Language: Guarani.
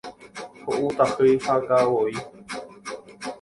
Ho'u tahýi ha ka'avo'i.